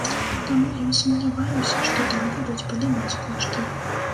Таму я сумняваюся, што там будуць падымаць кошты.